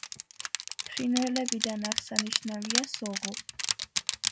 ფრინველებიდან აღსანიშნავია სოღო.